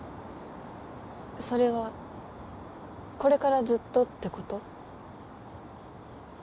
それはこれからずっとってこと？